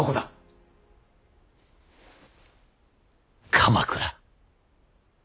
鎌倉。